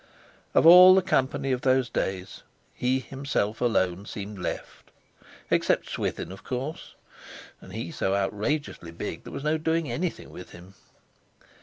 Of all the company of those days he himself alone seemed left, except Swithin, of course, and he so outrageously big there was no doing anything with him.